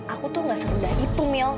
aku tuh nggak seru dari itu mil